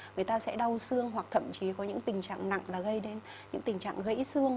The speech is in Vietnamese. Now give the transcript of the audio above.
người ta sẽ đau xương hoặc thậm chí có những tình trạng nặng là gây đến những tình trạng gãy xương